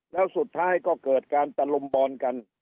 แล้วสุดท้ายก็เกิดการตะลุมบอลกัน